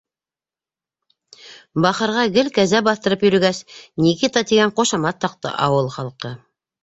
Бахырға, гел кәзә баҫтырып йөрөгәс, «Никита» тигән ҡушамат таҡты ауыл халҡы.